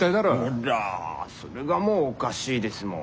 ほらそれがもうおかしいですもん。